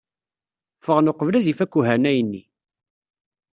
Ffɣen uqbel ad ifak uhanay-nni.